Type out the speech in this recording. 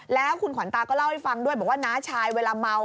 แล้วคุณขวัญตาก็เล่าให้ฟังด้วยบอกว่าน้าชายเวลาเมา